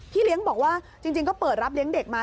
เลี้ยงบอกว่าจริงก็เปิดรับเลี้ยงเด็กมา